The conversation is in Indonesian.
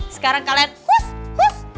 sekarang kalian hush hush